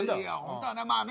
まあね